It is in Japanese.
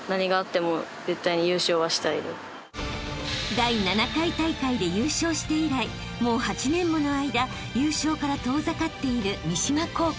［第７回大会で優勝して以来もう８年もの間優勝から遠ざかっている三島高校］